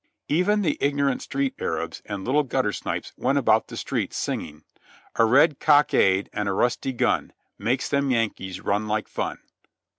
Even the ignorant street Arabs and little gutter snipes went about the streets singing: "A red cockade, and a rusty gun, Makes them Yankees run like fun."